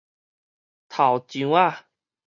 頭上仔